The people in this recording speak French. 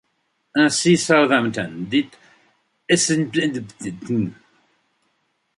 Ainsi, Southampton, dites Stpntn.